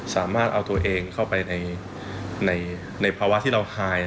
สามารถเอาตัวเองเข้าไปในภาวะที่เราคาย